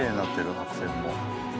白線も。